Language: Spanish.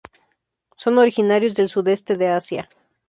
Son originarios del Sudeste de Asia.